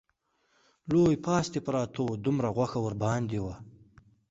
لوی پاستي پراته وو، دومره غوښه ورباندې وه